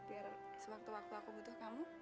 biar sewaktu waktu aku butuh kamu